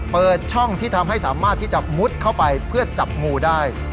เปิดช่องที่ทำให้สามารถที่จะมุดเข้าไปเพื่อจับงูได้